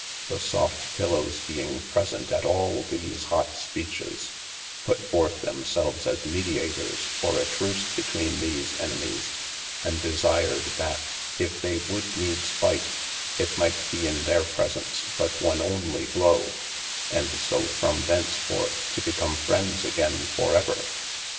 The soft pillowes being present at al these whot speches, put forth them selves as mediators for a truce betwene these enemies, and desired that (if they would needes fight) it might be in their presence but one only blowe, & so from thence forth to become friendes againe for ever.